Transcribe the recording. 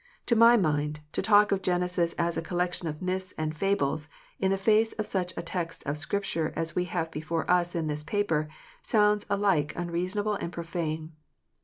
To my mind, to talk of Genesis as a collection of myths and fables, in the face of such a text of Scripture as we have before us in this paper, sounds alike unreasonable and profane.